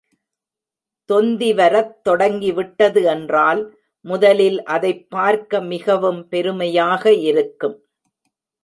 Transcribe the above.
தொந்திவரத் தொடங்கிவிட்டது என்றால், முதலில் அதைப் பார்க்க மிகவும் பெருமையாக இருக்கும்.